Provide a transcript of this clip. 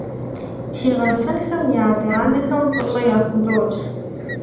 Си гъэсэнхэм я адэ-анэхэм фӀыщӀэ яхузощӀ.